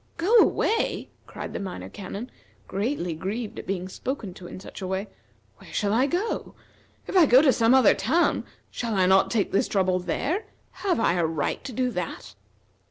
"Go away!" cried the Minor Canon, greatly grieved at being spoken to in such a way. "Where shall I go? If I go to some other town, shall I not take this trouble there? Have I a right to do that?"